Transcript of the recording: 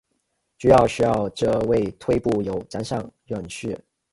主要使用者为腿部有残障人士。